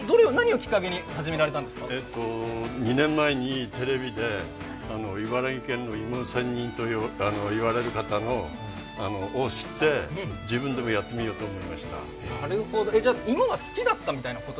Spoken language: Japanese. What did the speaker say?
２年前にテレビで茨城県の芋仙人と言われる方を知って自分でもやってみようと思って、やってみたと。